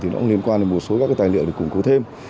thì nó cũng liên quan đến một số các tài liệu để củng cố thêm